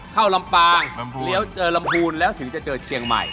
เข้าลำปางเจอลำบูนแล้วถึงจะเจอเชียงใหม่